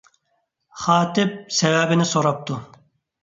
خاتىپ سەۋەبىنى سوراپتۇ.